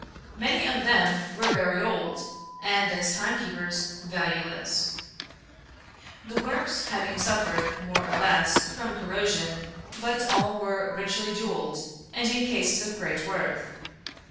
Many of them were very old, and as timekeepers valueless ; the works having suffered, more or less, from corrosion — but all were richly jeweled and in cases of great worth.